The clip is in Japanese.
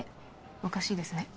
おかしいですね